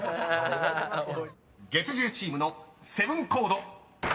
［月１０チームのセブンコード］